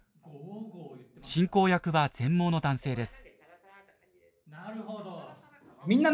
進行役は全盲の男性です。